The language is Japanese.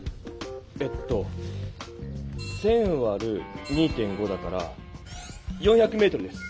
えっと１０００わる２．５だから４００メートルです。